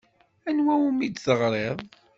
Anwa umi d-teɣriḍ?